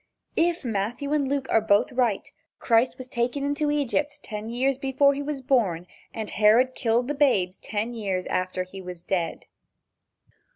If Matthew and Luke are both right Christ was taken to Egypt ten years before he was born, and Herod killed the babes ten years after he was dead.